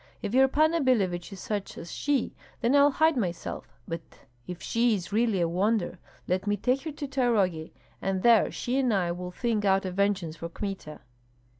If your Panna Billevich is such as she, then I'll hide myself; but if she is really a wonder, let me take her to Tanrogi, and there she and I will think out a vengeance for Kmita."